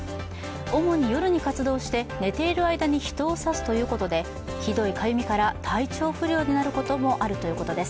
主に夜に活動して、寝ている間に人を刺すということで、ひどいかゆみから体調不良になることもあるということです。